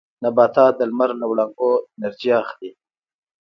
نباتات د لمر له وړانګو انرژي اخلي